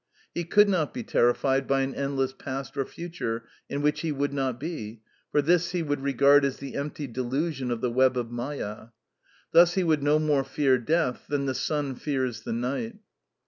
He could not be terrified by an endless past or future in which he would not be, for this he would regard as the empty delusion of the web of Mâya. Thus he would no more fear death than the sun fears the night.